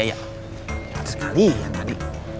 kecel sekali yang tadi